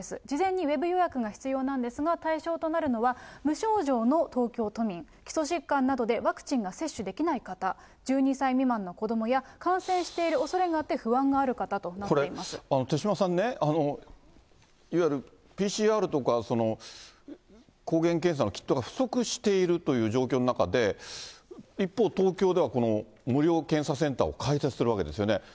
事前にウェブ予約が必要なんですが、対象となるのは、無症状の東京都民、基礎疾患などでワクチンが接種できない方、１２歳未満の子どもや感染しているおそれのあって不安がある方と手嶋さんね、いわゆるＰＣＲとか、抗原検査のキットが不足しているという状況の中で、一方、東京ではこの無料検査センターを開設しているわけですよね。